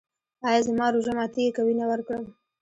ایا زما روژه ماتیږي که وینه ورکړم؟